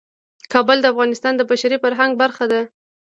کابل د افغانستان د بشري فرهنګ برخه ده.